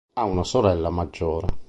Ha una sorella maggiore.